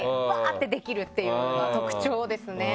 ってできるっていうのは特徴ですね。